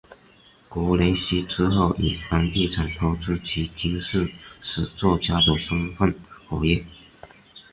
格雷西之后以房地产投资及军事史作家的身分活跃。